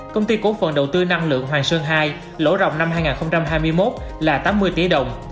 công ty cổ phần đầu tư năng lượng hoàng sơn hai lỗ rộng năm hai nghìn hai mươi một là tám mươi tỷ đồng